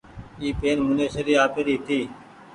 اي پين منيشي ري آپيري هيتي۔